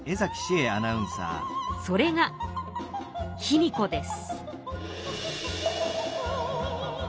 それが卑弥呼です。